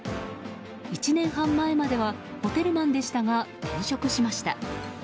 １年半前まではホテルマンでしたが転職しました。